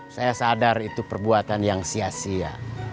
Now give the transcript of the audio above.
saya sadar itu perbuatan yang sia sia